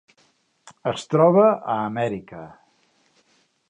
Es troba a Amèrica: